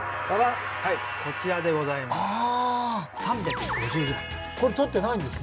我々こちらです。